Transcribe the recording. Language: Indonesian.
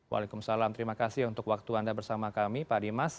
waalaikumsalam terima kasih untuk waktu anda bersama kami pak dimas